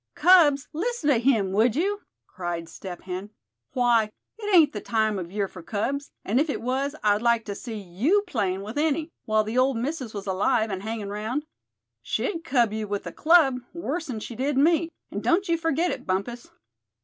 "Cubs! listen to him, would you?" cried Step Hen. "Why, it ain't the time of year for cubs; and if it was, I'd like to see you playin' with any, while the old missus was alive, and hangin' around. She'd cub you with a club, worse'n she did me; and don't you forget it, Bumpus.